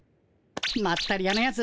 まったり屋のやつ